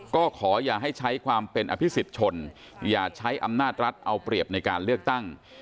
ก็ขออย่าให้ใช้ความเป็นอภิษฎชนอย่าใช้อำนาจรัฐเอาเปรียบในการเลือกตั้ง